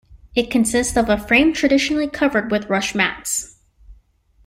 It consists of a frame traditionally covered with rush mats.